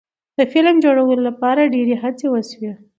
د فلم جوړولو لپاره ډیرې هڅې وشوې.